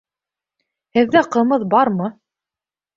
Һеҙҙә ҡымыҙ бармы?